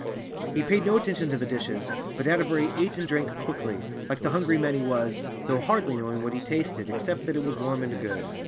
He paid no attention to the dishes, but Atterbury ate and drank quickly, like the hungry man he was, though hardly knowing what he tasted, except that it was warm and good.